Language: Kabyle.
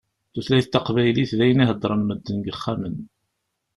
Tutlayt taqbaylit d ayen i heddṛen medden deg ixxamen.